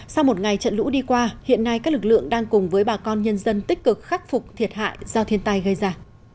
sau một ngày trận lũ đi qua hiện nay các lực lượng đang cùng với bà con nhân dân tích cực khắc phục thiệt hại do thiên tai gây ra